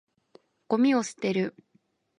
ゴミを捨てる。